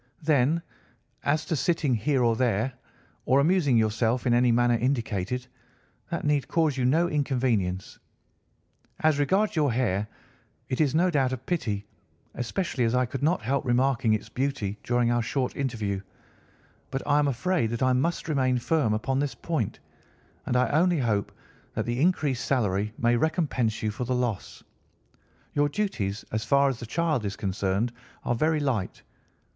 Then, as to sitting here or there, or amusing yourself in any manner indicated, that need cause you no inconvenience. As regards your hair, it is no doubt a pity, especially as I could not help remarking its beauty during our short interview, but I am afraid that I must remain firm upon this point, and I only hope that the increased salary may recompense you for the loss. Your duties, as far as the child is concerned, are very light.